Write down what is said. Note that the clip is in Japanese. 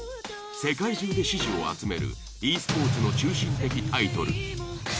世界中で支持を集めるｅスポーツの中心的タイトル。